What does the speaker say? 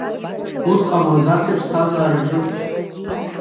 Ус ҟамлаӡаци аԥсҭазараҿы?